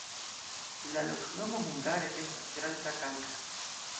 La loknomo hungare estas granda-kankra.